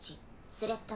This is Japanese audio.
・スレッタ。